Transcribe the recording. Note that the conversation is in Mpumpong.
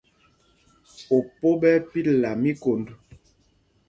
Opo ɓɛ́ ɛ́ pilla míkond.